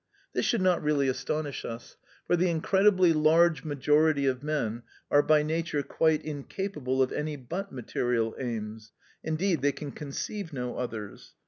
This should not really astonish us; for the incredibly large majority of men are by nature quite incapable of any but material aims, indeed they can conceive no others.